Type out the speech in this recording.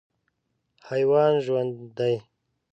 حیوان ژوند دی.